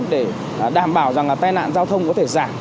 để đảm bảo rằng là tai nạn giao thông có thể giảm